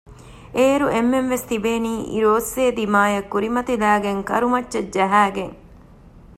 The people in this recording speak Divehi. އޭރު އެންމެންވެސް ތިބޭނީ އިރުއޮއްސޭ ދިމާއަށް ކުރިމަތިލައިގެން ކަރުމައްޗަށް ޖަހައިގެން